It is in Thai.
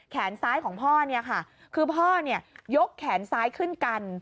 แขนซ้ายของพ่อเนี่ยค่ะคือพ่อยกแขนซ้ายขึ้นกัน